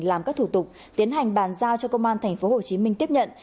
làm các thủ tục tiến hành bàn giao cho công an thành phố hồ chí minh tiếp nhận